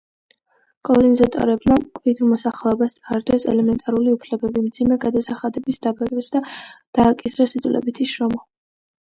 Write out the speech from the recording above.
კოლონიზატორებმა მკვიდრ მოსახლეობას წაართვეს ელემენტარული უფლებები; მძიმე გადასახადებით დაბეგრეს და დააკისრეს იძულებითი შრომა.